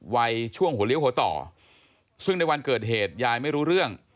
วัยช่วงหัวเลี้ยวหัวต่อซึ่งในวันเกิดเหตุยายไม่รู้เรื่อง